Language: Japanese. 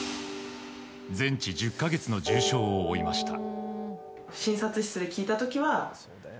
全治１０か月の重傷を負いました。